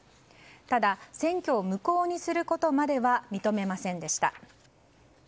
ただ選挙を無効にすることまでは認めませんでした。